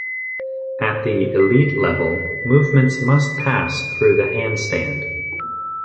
At the Elite level, movements must pass through the handstand.